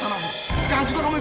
yang terhubungan dengan kamu